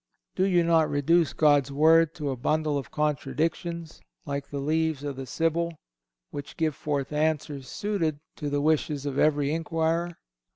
Do you not reduce God's word to a bundle of contradictions, like the leaves of the Sybil, which gave forth answers suited to the wishes of every inquirer?